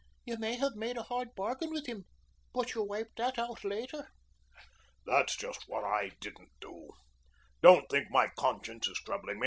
"You may have made a hard bargain with him, but you wiped that out later." "That's just what I didn't do. Don't think my conscience is troubling me.